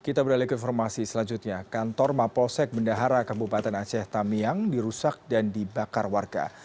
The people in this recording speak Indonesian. kita beralih ke informasi selanjutnya kantor mapolsek bendahara kabupaten aceh tamiang dirusak dan dibakar warga